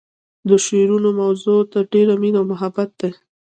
د شعرونو موضوع تر ډیره مینه او محبت دی